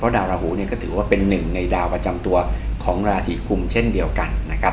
ดาวราหูเนี่ยก็ถือว่าเป็นหนึ่งในดาวประจำตัวของราศีกุมเช่นเดียวกันนะครับ